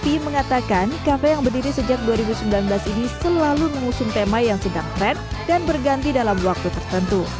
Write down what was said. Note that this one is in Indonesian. fee mengatakan kafe yang berdiri sejak dua ribu sembilan belas ini selalu mengusung tema yang sedang tren dan berganti dalam waktu tertentu